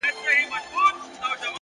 د وخت ضایع کول خاموشه تاوان دی،